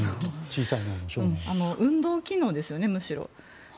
運動機能ですよね、むしろ。